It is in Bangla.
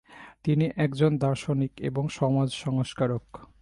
তিনি একজন দার্শনিক এবং সমাজ সংস্কারক।